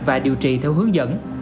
và điều trị theo hướng dẫn